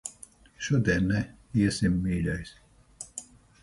Šodien ne. Iesim, mīļais.